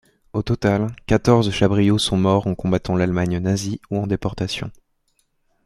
Au total, quatorze Chabriots sont morts en combattant l’Allemagne nazie ou en déportation.